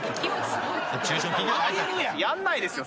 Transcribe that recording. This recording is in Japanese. やんないですよ